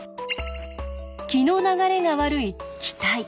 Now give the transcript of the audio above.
気の流れが悪い気滞。